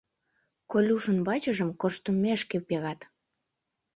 — Колюшын вачыжым корштымешке перат.